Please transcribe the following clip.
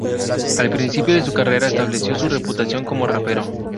Al principio de su carrera, estableció su reputación como rapero.